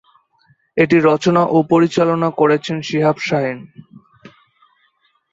এটি রচনা ও পরিচালনা করেছেন শিহাব শাহীন।